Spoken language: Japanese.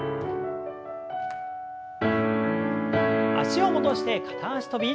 脚を戻して片脚跳び。